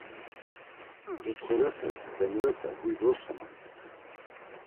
Dutxurepe, Dzğemurepe huy vrosonan.